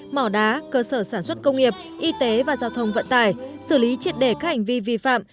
mỏ đá cơ sở sản xuất công nghiệp y tế và giao thông vận tải xử lý triệt đề các hành vi vi phạm